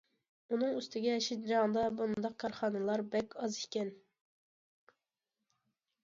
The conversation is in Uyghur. ئۇنىڭ ئۈستىگە شىنجاڭدا بۇنداق كارخانىلار بەك ئاز ئىكەن.